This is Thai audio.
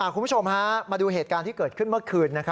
คุณผู้ชมมาดูเหตุการณ์ที่เกิดขึ้นเมื่อคืน